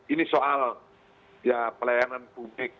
ini soal pelayanan publik